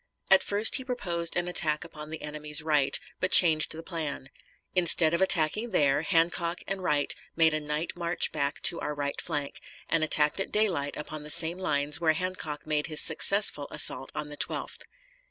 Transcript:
At first he proposed an attack upon the enemy's right, but changed the plan. Instead of attacking there, Hancock and Wright made a night march back to our right flank, and attacked at daylight upon the same lines where Hancock made his successful assault on the 12th.